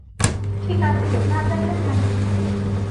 ঠিক আছে, না জানলে জানি না।